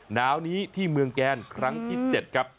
หนาวนี้ที่เมืองแกนครั้งที่๗ครับ